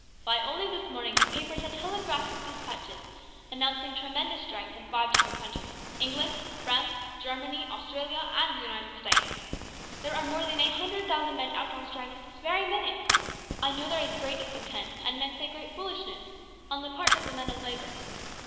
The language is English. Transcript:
Why, only this morning the papers had telegraphic dispatches announcing tremendous strikes in five different countries, England, France, Germany, Australia, and the United States. There are more than a hundred thousand men out on strikes this very minute. I know there is great discontent, and men say great foolishness, on the part of the men of labour.